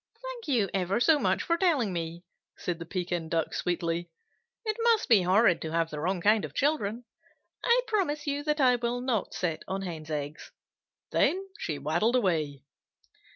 "Thank you ever so much for telling me," said the Pekin Duck, sweetly. "It must be horrid to have the wrong kind of children. I promise you that I will not sit on Hens' eggs." Then she waddled away.